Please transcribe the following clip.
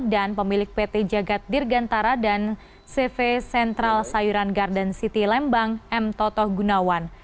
dan pemilik pt jagad dirgantara dan cv sentral sayuran garden city lembang m totoh gunawan